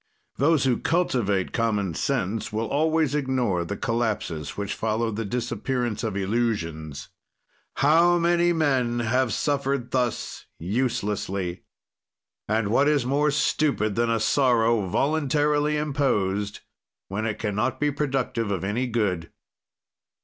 "Those who cultivate common sense will always ignore the collapses which follow the disappearance of illusions. "How many men have suffered thus uselessly! "And what is more stupid than a sorrow, voluntarily imposed, when it can not be productive of any good?